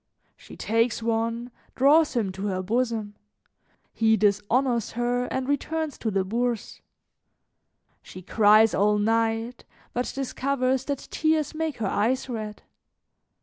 She takes one, draws him to her bosom; he dishonors her and returns to the Bourse. She cries all night, but discovers that tears make her eyes red.